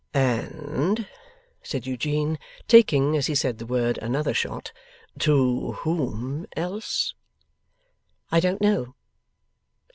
'And,' said Eugene, taking, as he said the word, another shot, 'to whom else?' 'I don't know.